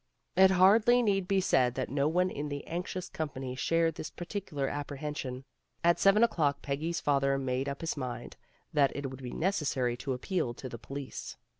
It hardly need be said that no one in the anx ious company shared this particular apprehen sion. At seven o'clock Peggy's father made up his mind that it would be necessary to ap peal to the police.